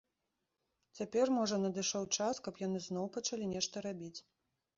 Цяпер, можа, надышоў час, каб яны зноў пачалі нешта рабіць.